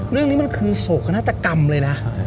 เรื่องนี้มันคือโศกนาฏกรรมเลยนะ